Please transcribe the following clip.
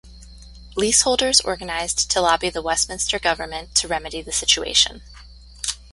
Leaseholders organised to lobby the Westminster government to remedy the situation.